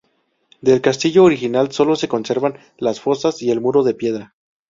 Del castillo original sólo se conservan las fosas y el muro de piedra.